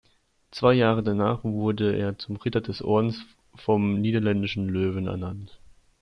Zwei Jahre danach wurde er zum Ritter des Ordens vom Niederländischen Löwen ernannt.